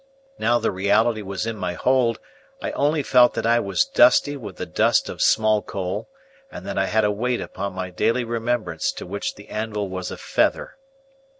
Now the reality was in my hold, I only felt that I was dusty with the dust of small coal, and that I had a weight upon my daily remembrance to which the anvil was a feather.